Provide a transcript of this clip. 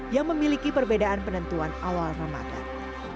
yang memiliki perbedaan penentuan awal ramadan